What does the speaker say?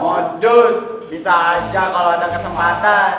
modus bisa aja kalau ada kesempatan